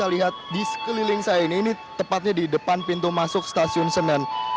saya lihat di sekeliling saya ini ini tepatnya di depan pintu masuk stasiun senen